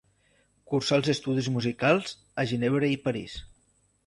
Cursà els estudis musicals a Ginebra i París.